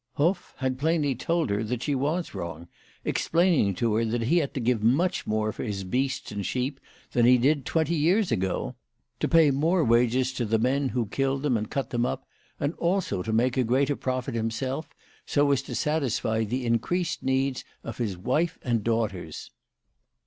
Hoff had plainly told her that she was wrong, explaining to her that he had to give much more for his beasts and sheep than he did twenty years ago, to pay more wages to the men 70 WHY FRAU FROHMANN RAISED HER PRICES. who killed them and cut them up, and also to make a greater profit himself, so as to satisfy the increased needs of his wife and daughters.